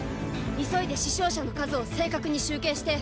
急いで死傷者の数を正確に集計して。